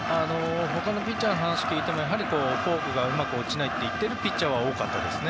他のピッチャーの話を聞いてもフォークがうまく落ちないと言っているピッチャーは多かったですね。